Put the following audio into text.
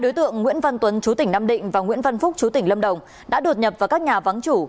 đối tượng nguyễn văn tuấn chú tỉnh nam định và nguyễn văn phúc chú tỉnh lâm đồng đã đột nhập vào các nhà vắng chủ